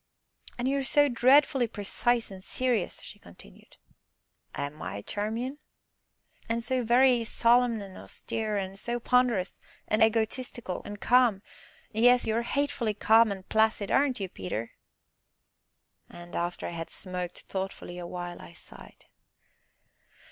"And you are so dreadfully precise and serious," she continued. "Am I, Charmian?" "And so very solemn and austere, and so ponderous, and egotistical, and calm yes, you are hatefully calm and placid, aren't you, Peter?" And, after I had smoked thoughtfully awhile, I sighed.